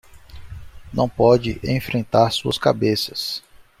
Não pode enfrentar suas cabeças